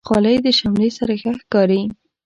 خولۍ د شملې سره ښه ښکاري.